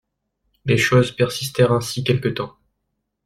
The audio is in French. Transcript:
Les choses persistèrent ainsi quelque temps.